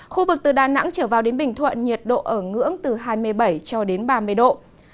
khu vực từ đà nẵng trở vào đến bình thuận nhiệt độ ở ngưỡng từ hai mươi bảy cho đến ba mươi độ